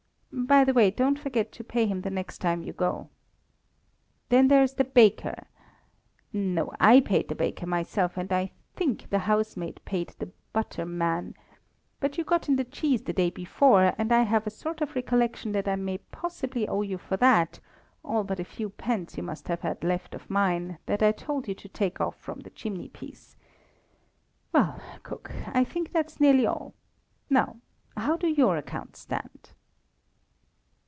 by the way, don't forget to pay him the next time you go. Then there's the baker no, I paid the baker myself, and I think the housemaid paid the butter man; but you got in the cheese the day before, and I have a sort of recollection that I may possibly owe you for that, all but a few pence you must have had left of mine, that I told you to take from off the chimney piece. Well, cook, I think that's nearly all! Now how do your accounts stand?"